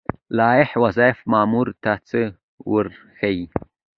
لایحه وظایف مامور ته څه ورښيي؟